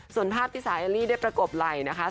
ส่วนภาพที่สาวเอลลี่ได้ประกบไหล่นะคะ